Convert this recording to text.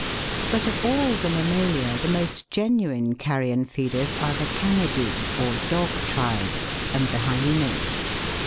But of air the mammalia, the most genuine carrion feeders are the canidce, or dog tribe, and the hyaenas.